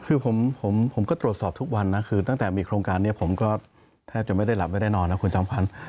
คือผมก็ตรวจสอบทุกวันนะคือตั้งแต่มีโครงการนี้ผมก็แทบจะไม่ได้หลับไม่ได้นอนนะคุณจอมขวัญ